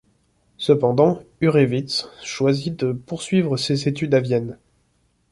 Cependant Hurewicz choisit de poursuivre ses études à Vienne.